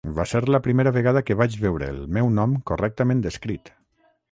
Va ser la primera vegada que vaig veure el meu nom correctament escrit.